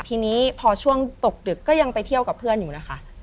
ทีนี้พอช่วงตกดึกก็ยังไปเที่ยวกับเพื่อนอยู่นะคะ